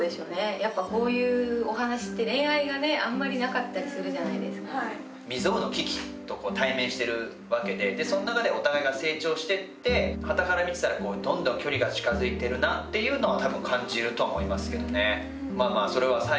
やっぱこういうお話って恋愛がねあんまりなかったりするじゃないですか未曽有の危機とこう対面してるわけででその中でお互いが成長してってはたから見てたらこうどんどん距離が近づいてるなっていうのはたぶん感じるとは思いますけどねまあまあま